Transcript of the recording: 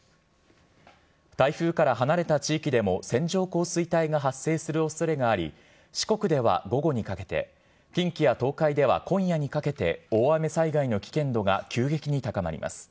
台風から離れた地域でも線状降水帯が発生するおそれがあり、四国では午後にかけて、近畿や東海では今夜にかけて、大雨災害の危険度が急激に高まります。